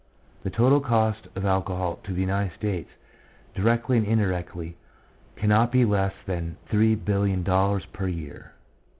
The total cost of alcohol to the United States, directly and indirectly, cannot be less than $3,000,000,000 per year.